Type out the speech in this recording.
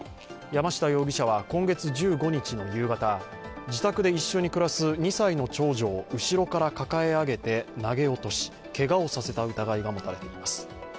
山下容疑者は今月１５日の夕方、自宅で一緒に暮らす２歳の長女を後ろから抱え上げて投げ落とし、けがをさせた疑いがもたれています。